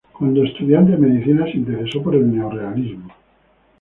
Cuando estudiante de Medicina, se interesó por el neorrealismo.